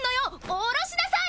下ろしなさい！